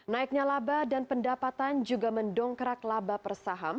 naiknya laba dan pendapatan juga mendongkrak laba persaham